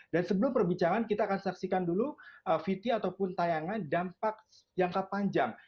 dan sebelum perbincangan kita akan saksikan dulu vt ataupun tayangan dampak yang terpanjang